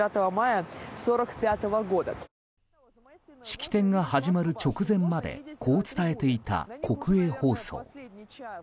式典が始まる直前までこう伝えていた国営放送。